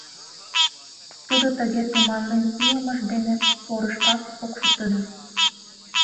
Тудо тыге туманлен илымыж дене порышкак ок шукто дыр...